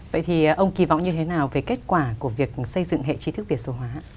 vậy thì ông kỳ vọng như thế nào về kết quả của việc xây dựng hệ trí thức việt số hóa